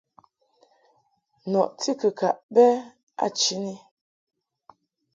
Nɔti kɨkaʼ bɛ a chini.